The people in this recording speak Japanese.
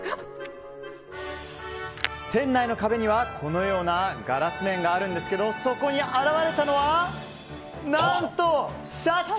店内の壁には、このようなガラス面があるんですけどそこに現れたのは何とシャチ！